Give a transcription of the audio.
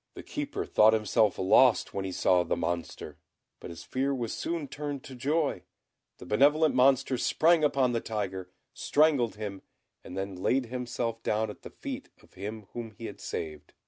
The Keeper thought himself lost when he saw the Monster; but his fear was soon turned into joy the benevolent Monster sprang upon the tiger, strangled him, and then laid himself down at the feet of him whom he had saved.